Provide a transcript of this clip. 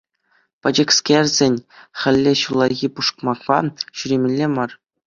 Пӗчӗкскерсен хӗлле ҫуллахи пушмакпа ҫӳремелле мар!